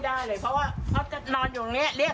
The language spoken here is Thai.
ก็แสดงว่าคุณบินก็พยายามให้กำลังใจชวนคุยสร้างเสียงหัวเราะค่ะ